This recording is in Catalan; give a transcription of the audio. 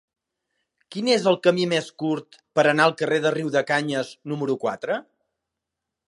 Quin és el camí més curt per anar al carrer de Riudecanyes número quatre?